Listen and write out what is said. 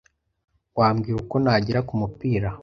Wambwira uko nagera kumupira?